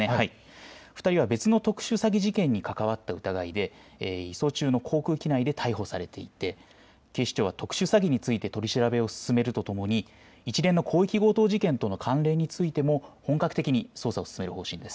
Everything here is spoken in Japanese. ２人は別の特殊詐欺事件に関わった疑いで移送中の航空機内で逮捕されていて警視庁は特殊詐欺について取り調べを進めるとともに一連の広域強盗事件との関連についても本格的に捜査を進める方針です。